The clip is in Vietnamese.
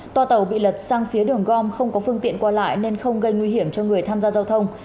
toa tàu bị lật sang phía đường gom không có phương tiện qua lại nên không gây nguy hiểm cho người tham gia giao thông